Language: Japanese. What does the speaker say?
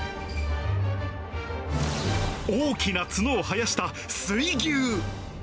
大きな角を生やした水牛。